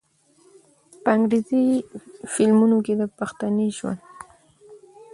په انګرېزي فلمونو کښې د پښتني ژوند